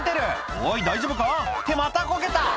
「おい大丈夫か？」ってまたこけた！